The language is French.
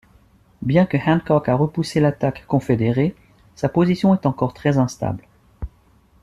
Bien que Hancock a repoussé l'attaque confédérée, sa position est encore très instable.